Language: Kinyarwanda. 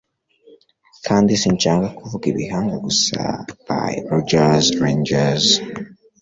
Kandi sinshaka kuvuga ibihanga gusa bya Rogers Rangers